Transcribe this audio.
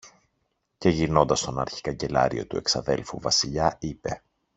Και γυρνώντας στον αρχικαγκελάριο του εξαδέλφου Βασιλιά είπε